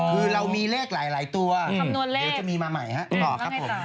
อ๋อคือเรามีแลกหลายตัวเดี๋ยวจะมีมาใหม่นะครับคำนวนแรก